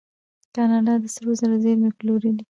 کاناډا د سرو زرو زیرمې پلورلي.